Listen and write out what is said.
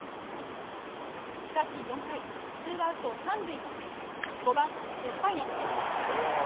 しかし４回、ツーアウト３塁５番デスパイネ。